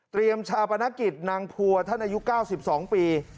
ชาปนกิจนางพัวท่านอายุ๙๒ปี